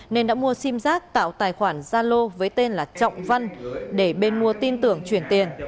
nên đã mua sim giáp tạo tài khoản gia lô với tên là trọng văn để bên mua tin tưởng chuyển tiền